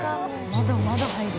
まだまだ入る。